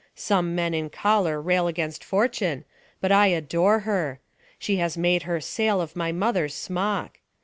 Some men in choler Rail against fortune, but I adore her : She has made her sail of my mother's smock.